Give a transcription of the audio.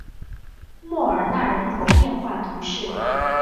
莫尔纳人口变化图示